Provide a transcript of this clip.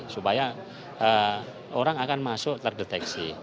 supaya orang akan masuk terdeteksi